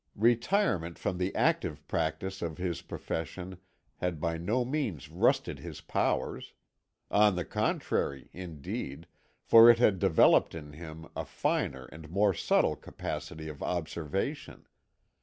Retirement from the active practice of his profession had by no means rusted his powers; on the contrary, indeed, for it had developed in him a finer and more subtle capacity of observation.